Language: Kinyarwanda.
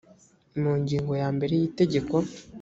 mu ngingo ya mbere y itegeko